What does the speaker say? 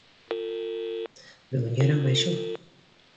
Бөгөн ярамай шул.